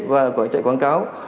và chạy quảng cáo